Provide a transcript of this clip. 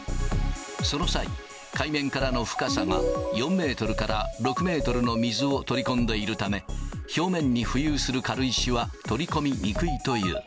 その際、海面からの深さが４メートルから６メートルの水を取り込んでいるため、表面に浮遊する軽石は取り込みにくいという。